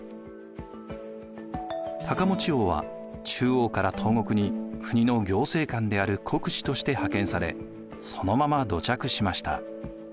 高望王は中央から東国に国の行政官である国司として派遣されそのまま土着しました。